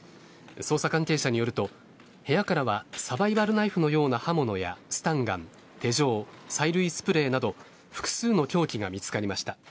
捜査関係者によると、部屋からはサバイバルナイフのような刃物やスタンガン、手錠催涙スプレーなど複数の凶器が見つかりました。